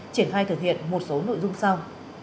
triển khai thực hiện một số nội dung sau